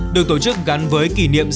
được tổ chức gắn với kỷ niệm sáu mươi chín